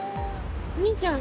お兄ちゃん。